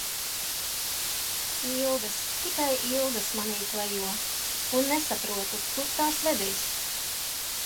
Ilgas, tikai ilgas manī klejo un nesaprotu, kurp tās vedīs.